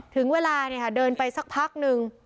ถึงเวลาเนี่ยค่ะเดินไปสักพักนึง